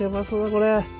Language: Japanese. これ。